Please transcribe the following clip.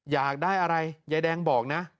อยากได้อะไรยายแดงบอกนะ